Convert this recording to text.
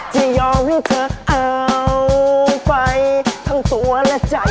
ที่ยอมให้เธอเอาไปทั้งตัวและใจ